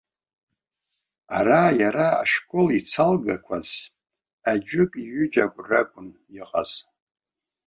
Ара иара ашкол ицалгақәаз аӡәык-ҩыџьак ракәын иҟаз.